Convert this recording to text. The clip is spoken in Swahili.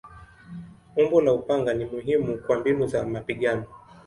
Umbo la upanga ni muhimu kwa mbinu za mapigano.